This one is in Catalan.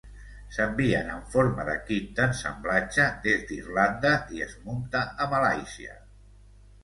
S'envien en forma de kit d'ensamblatge des d'Irlanda i es munta a Malàisia.